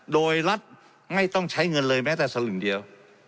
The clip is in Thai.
โดยรัฐไม่ต้องใช้เงินเลยแม้แต่สลึงเดียว